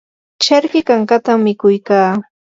charki kankatam mikuy kaa.